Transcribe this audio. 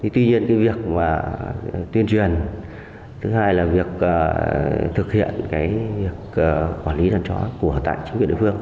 tuy nhiên việc tuyên truyền thứ hai là việc thực hiện việc quản lý đàn chó của tại chính quyền địa phương